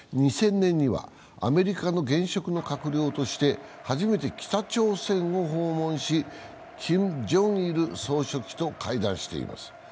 ２０００年にはアメリカの現職の閣僚として初めて北朝鮮を訪問し、キム・ジョンイル総書記と会談しています。